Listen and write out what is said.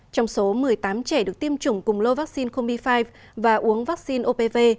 trong số một mươi tám trẻ được tiêm chủng cùng lô vaccine combi năm và uống vaccine opv